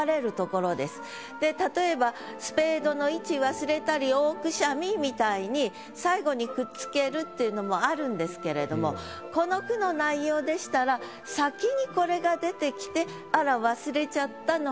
例えば「スペードの位置忘れたり大くしゃみ」みたいに最後にくっつけるっていうのもあるんですけれどもこの句の内容でしたら先にこれが出てきてあら忘れちゃった！